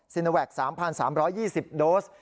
ซีเนวัค๓๓๒๐โดส